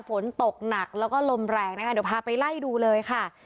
ฝนตกหนักแล้วก็ลมแรงนะคะเดี๋ยวพาไปไล่ดูเลยค่ะ